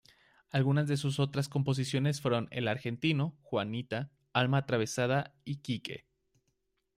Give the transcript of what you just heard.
Algunas de sus otras composiciones fueron "El Argentino", "Juanita", "Alma atravesada" y "Quique".